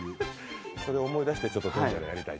それを思い出して、今日はやりたいと。